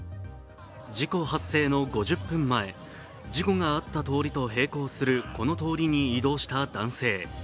事故発生の５０分前、事故があった通りと並行するこの通りに移動した男性。